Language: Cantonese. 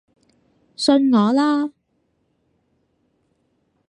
信我啦